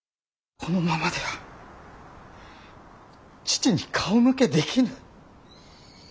このままでは父に顔向けできぬ！